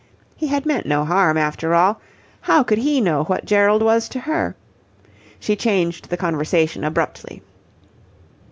He had meant no harm, after all. How could he know what Gerald was to her? She changed the conversation abruptly.